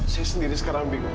saya sendiri sekarang bingung